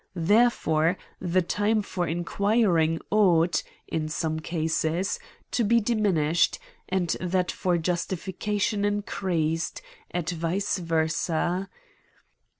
Therefore the time for inquiring ought, in some cases, to be diminished, and that for justification increased, et vice versa.